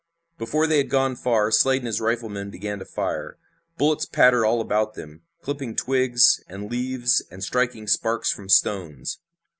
Before they had gone far Slade and his riflemen began to fire. Bullets pattered all about them, clipping twigs and leaves and striking sparks from stones.